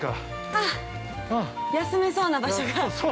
◆あっ、休めそうな場所が。